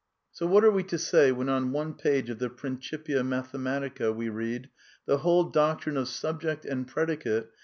So what are we to say when on one page of the Princi pia Mathematica we read: " The whole doctrine of sub ^/* ject and predicate